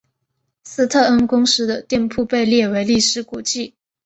斯特恩公司的店铺被列为历史古迹。